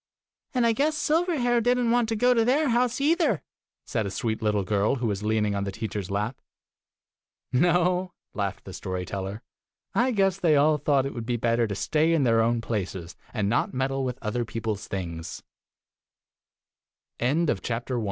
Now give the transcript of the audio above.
" "And I guess Silverhair did n't want to go to their house either !" said a sweet little girl who was leaning on the teacher's lap. "No," laughed the story teller. "I guess they all thought it would be better to stay in their own places, and not meddle with other